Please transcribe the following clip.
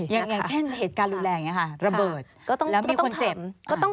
อย่างเช่นเหตุการณ์รุนแรงอย่างนี้ค่ะระเบิด